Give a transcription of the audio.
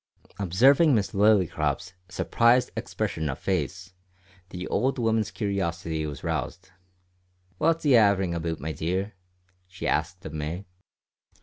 Observing Miss Lillycrop's surprised expression of face, the old woman's curiosity was roused. "What's he haverin' aboot, my dear?" she asked of May.